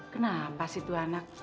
kenapa sih itu anak